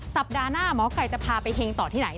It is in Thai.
สัปดาห์หน้าหมอไก่จะพาไปเฮงต่อที่ไหน